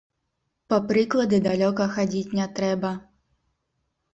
Па прыклады далёка хадзіць не трэба.